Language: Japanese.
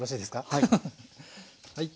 はい。